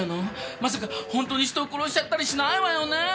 まさか本当に人を殺しちゃったりしないわよねぇ！？